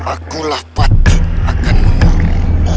akulah patik akan mengurung